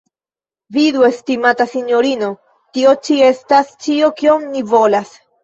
Vidu, estimata sinjorino, tio ĉi estas ĉio, kion ni volas!